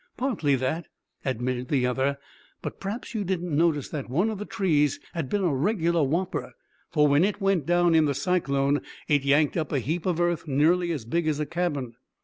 "Partly that," admitted the other; "but p'raps you didn't notice that one of the trees had been a regular whopper, for when it went down in the cyclone it yanked up a heap of earth nearly as big as a cabin."